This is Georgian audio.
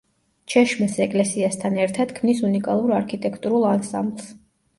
ჩეშმეს ეკლესიასთან ერთად ქმნის უნიკალურ არქიტექტურულ ანსამბლს.